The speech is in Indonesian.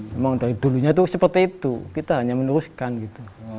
memang dari dulunya itu seperti itu kita hanya meneruskan gitu